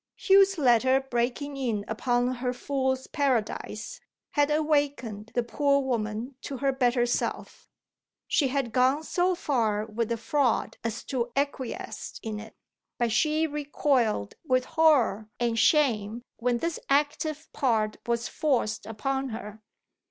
Hugh's letter breaking in upon her fool's paradise had awakened the poor woman to her better self; she had gone so far with the fraud as to acquiesce in it; but she recoiled with horror and shame when this active part was forced upon her.